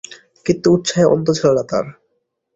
কিন্তু উৎসাহের অন্ত ছিল না তার।